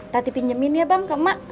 nanti pinjemin ya bang ke emak